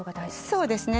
そうですね。